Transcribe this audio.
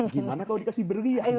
gimana kalau dikasih berian